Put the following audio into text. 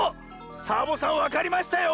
サボさんわかりましたよ！